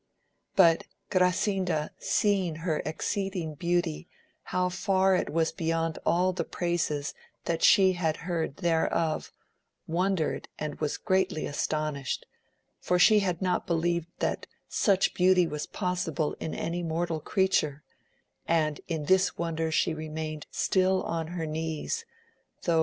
But Grasinda seeing her exceeding beauty how far it was beyond all the praises that she had heard thereof, wondered and was greatly astonished, for she had not believed that such beauty was possible in any mortal creature, and in this wonder she remained still on her knees, though.